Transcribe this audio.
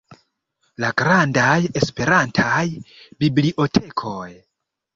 La grandaj Esperantaj bibliotekoj.